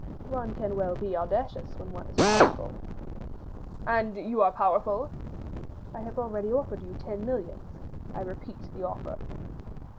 "One can well be audacious when one is powerful." "And you are powerful?" "I have already offered you ten millions; I repeat the offer."